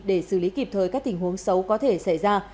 để xử lý kịp thời các tình huống xấu có thể xảy ra